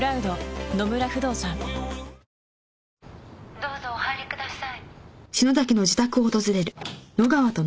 「どうぞお入りください」